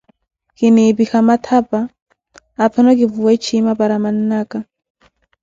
kinnipikha mathapa aphano kivuwe chiima para mannakha.